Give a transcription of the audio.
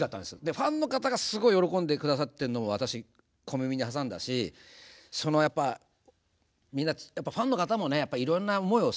ファンの方がすごい喜んで下さってるのを私小耳に挟んだしそのやっぱみんなファンの方もねいろんな思いをされてると思うんです。